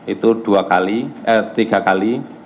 itu dua kali eh tiga kali